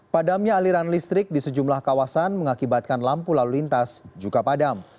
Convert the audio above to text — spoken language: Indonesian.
padamnya aliran listrik di sejumlah kawasan mengakibatkan lampu lalu lintas juga padam